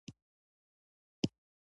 ننګرهار د افغانستان د ځمکې د جوړښت نښه ده.